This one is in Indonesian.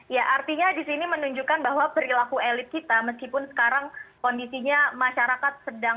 ya artinya di sini menunjukkan bahwa perilaku elit kita meskipun sekarang kondisinya masyarakat sedang apa berdekatan